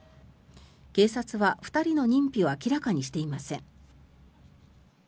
警察は２人の認否を明らかにしていません。